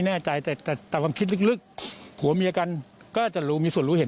แน่ใจแต่ตามความคิดลึกผัวเมียกันก็จะรู้มีส่วนรู้เห็น